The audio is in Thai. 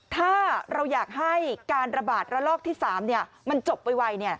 ถ้าเราอยากให้การระบาดระลอกที่๓มันจบไว